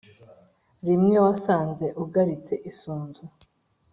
Rimwe wasanze ugaritse isunzu.